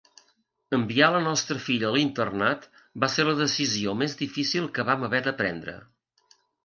Enviar la nostra filla a l'internat va ser la decisió més difícil que vam haver de prendre.